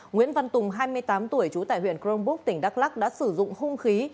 nguyễn văn tùng hai mươi tám tuổi trú tại huyện crongbuk tỉnh đắk lắc đã sử dụng hung khí